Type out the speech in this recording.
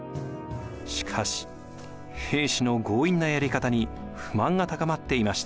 しかし平氏の強引なやり方に不満が高まっていました。